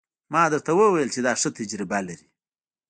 ما درته وويل چې دا ښه تجربه لري.